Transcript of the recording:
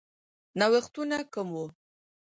نوښتونه کم وو.